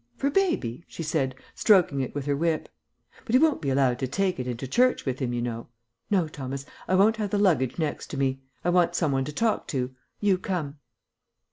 "For baby?" she said, stroking it with her whip. "But he won't be allowed to take it into church with him, you know. No, Thomas, I won't have the luggage next to me; I want some one to talk to. You come."